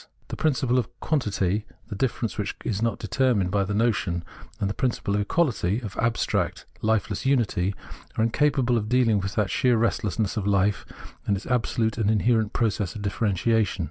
The prin ciple of quantity, of difference which is not determined by the notion, and the principle of equality, of abstract, lifeless unity, are incapable of deahng with that sheer restlessness of hfe and its absolute and inherent process of differentiation.